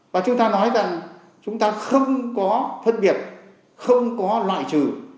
và chúng ta nói rằng chúng ta không có phân biệt không có loại trừ